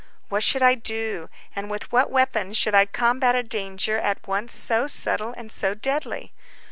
What should I do, and with what weapons should I combat a danger at once so subtle and so deadly?